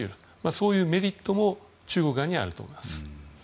そういうメリットも中国側にはあると思います。